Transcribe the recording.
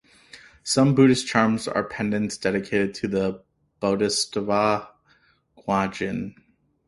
Some Buddhist charms are pendants dedicated to the Bodhisattva Guanyin.